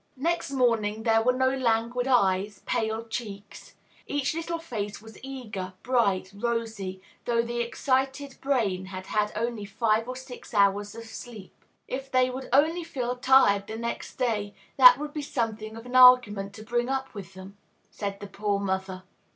Next morning there were no languid eyes, pale cheeks. Each little face was eager, bright, rosy, though the excited brain had had only five or six hours of sleep. "If they only would feel tired the next day, that would be something of an argument to bring up with them," said the poor mother.